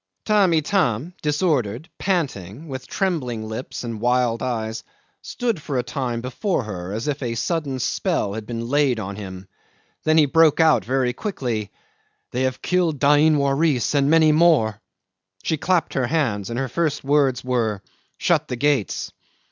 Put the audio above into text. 'Tamb' Itam, disordered, panting, with trembling lips and wild eyes, stood for a time before her as if a sudden spell had been laid on him. Then he broke out very quickly: "They have killed Dain Waris and many more." She clapped her hands, and her first words were, "Shut the gates."